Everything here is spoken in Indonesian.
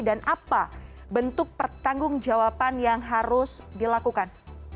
dan apa bentuk pertanggung jawaban yang harus dilakukan